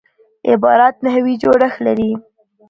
عبارت نحوي جوړښت لري.